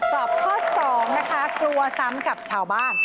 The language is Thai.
ตอบข้อ๒นะคะกลัวซ้ำกับชาวบ้าน